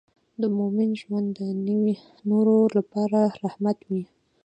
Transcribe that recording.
د مؤمن ژوند د نورو لپاره رحمت وي.